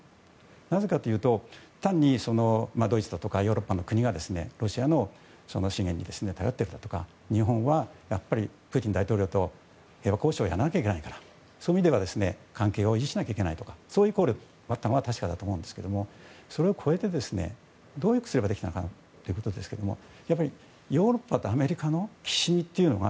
なぜかというと単にドイツとかヨーロッパの国がロシアの資源に頼っているだとか日本はプーチン大統領と平和交渉をやらなきゃいけないからそういう意味では関係を維持しなきゃいけないとかそういう効力があったのは確かだと思うんですけどもそれを越えてどうやってすればできたのかなということですけどやっぱりヨーロッパとアメリカのきしみというのは